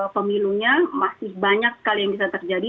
pemilunya masih banyak sekali yang bisa terjadi